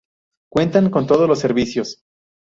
Cuentan con todos los servicios.